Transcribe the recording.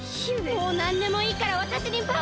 もうなんでもいいからわたしにパワーをください！